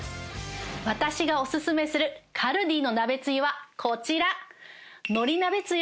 私がお薦めするカルディの鍋つゆはこちら。